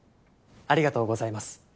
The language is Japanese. ありがとうございます。